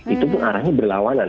itu pun arahnya berlawanan